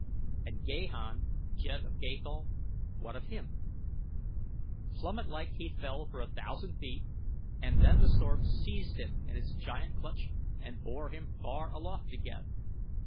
And Gahan, Jed of Gathol what of him? Plummet like he fell for a thousand feet and then the storm seized him in its giant clutch and bore him far aloft again.